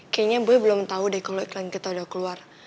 kayaknya gue belum tahu deh kalau iklan kita udah keluar